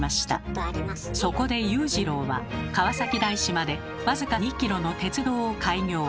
そこで勇次郎は川崎大師まで僅か２ｋｍの鉄道を開業。